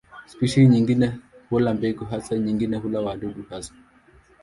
Spishi nyingine hula mbegu hasa, nyingine hula wadudu hasa.